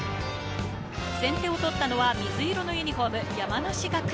先手を取ったのは水色のユニホーム、山梨学院。